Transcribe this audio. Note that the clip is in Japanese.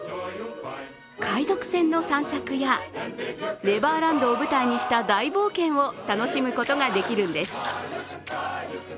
海賊船の散策やネバーランドを舞台にした大冒険を楽しむことができるんです。